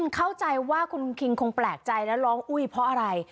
เข้าใจว่าคุณคิงคงแปลกใจแล้วร้องอุ้ยเพราะอะไร